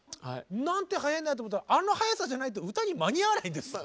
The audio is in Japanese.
なんて速えんだと思ったらあの速さじゃないと歌に間に合わないんですね。